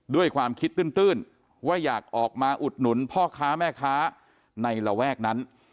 ด้วยความคิดตื้นว่าอยากออกมาอุดหนุนพ่อค้าแม่ค้าในระแวกนั้น